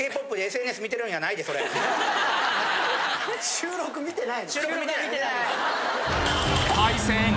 収録見てない。